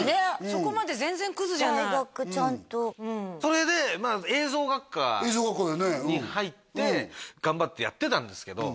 そこまで全然クズじゃない大学ちゃんとそれで映像学科に入って頑張ってやってたんですけど